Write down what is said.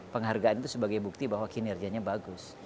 penghargaan itu sebagai bukti bahwa kinerjanya bagus